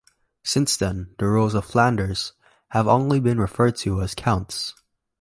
Since then, the rulers of Flanders have only been referred to as Counts.